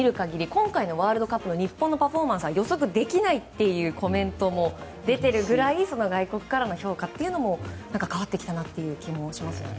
今回のワールドカップの日本のパフォーマンスは予測できないというコメントが出てるぐらい外国からの評価も変わってきたなという気もしますね。